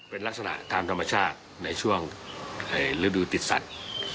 เป็นลักษณะตามธรรมชาติในช่วงฤดูติดสัตว์